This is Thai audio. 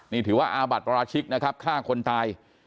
นี่ถือว่าอาบัติปราชิกนะครับฆ่าคนตาย